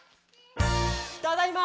ただいま！